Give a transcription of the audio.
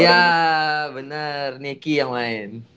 ya bener niki yang main